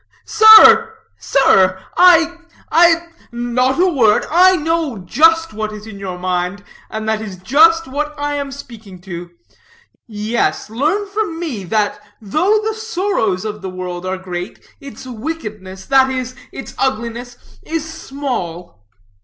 "Sir, I I " "Not a word; I know just what is in your mind, and that is just what I am speaking to. Yes, learn from me that, though the sorrows of the world are great, its wickedness that is, its ugliness is small.